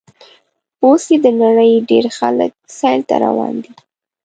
اوس یې د نړۍ ډېر خلک سیل ته روان دي.